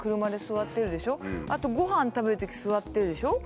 あとごはん食べるとき座ってるでしょ。